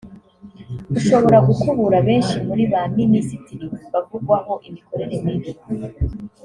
ushobora gukubura benshi muri ba Minisitiri bavugwaho imikorere mibi